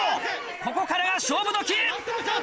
ここからが勝負時！